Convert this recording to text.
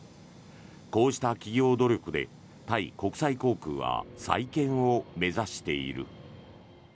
こうした企業努力でタイ国際航空は再建を目指している。